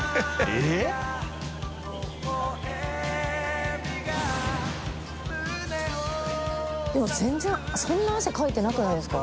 えぇ？丸山）でも全然そんなに汗かいてなくないですか？